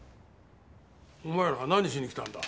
お前ら何しに来たんだ？